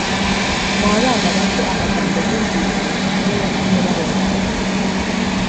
ni abana bato amagambo bumvise ni yo yatumye bahungabana